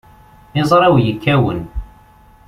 Iẓri-w yekkawen.